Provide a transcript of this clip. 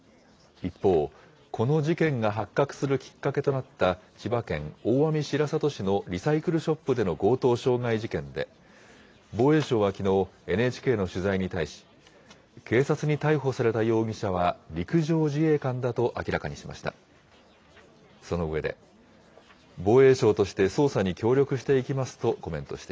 一方、この事件が発覚するきっかけとなった、千葉県大網白里市のリサイクルショップでの強盗傷害事件で、防衛省はきのう、ＮＨＫの取材に対し、警察に逮捕された容疑者は、陸上自衛官だと明らかにしました。